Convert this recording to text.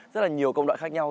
rất là nhiều công đoạn khác nhau